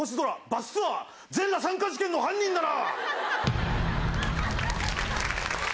バスツアー全裸参加事件の犯人だな。